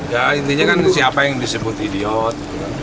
ya intinya kan siapa yang disebut idiot